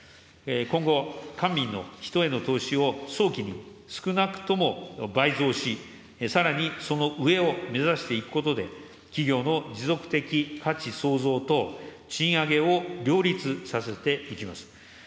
今後、官民の人への投資を早期に少なくとも倍増し、さらにその上を目指していくことで、企業の持続的価値創造と賃上げを両立させていきます。